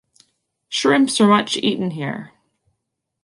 Shrimps are much eaten here.